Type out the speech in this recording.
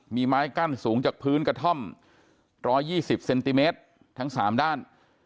มีไม้กั้นสูงจากพื้นกระท่อม๑๒๐เซนติเมตรทั้ง๓ด้าน